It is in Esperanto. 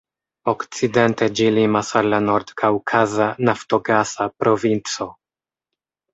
Okcidente ĝi limas al la Nord-Kaŭkaza naftogasa provinco.